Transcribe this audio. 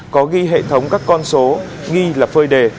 có ghi hệ thống các con số nghi là phơi đề